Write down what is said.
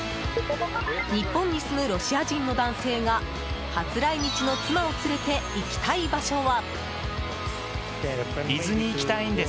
日本に住むロシア人の男性が初来日の妻を連れていきたい場所は。